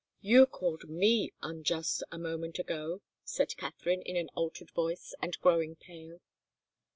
"You called me unjust a moment ago," said Katharine, in an altered voice, and growing pale.